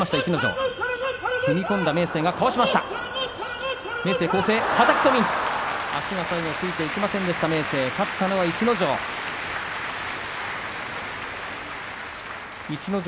はたき込み足が最後ついていきませんでした明生、勝ったのは逸ノ城。